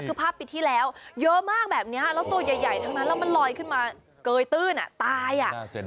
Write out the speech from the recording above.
คือภาพปีที่แล้วเยอะมากแบบนี้แล้วตัวใหญ่ทั้งนั้นแล้วมันลอยขึ้นมาเกยตื้นตายอ่ะ